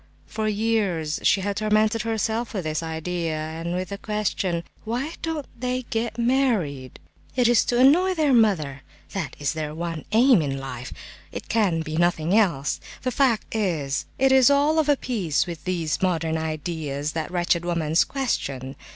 For years she had tormented herself with this idea, and with the question: "Why don't they get married?" "It is to annoy their mother; that is their one aim in life; it can be nothing else. The fact is it is all of a piece with these modern ideas, that wretched woman's question!